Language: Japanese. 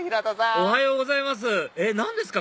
おはようございます何ですか？